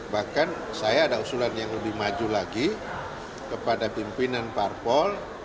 bahkan saya ada usulan yang lebih maju lagi kepada pimpinan parpol